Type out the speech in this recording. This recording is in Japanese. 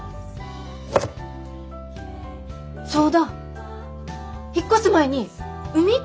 そうだ引っ越す前に海行こう。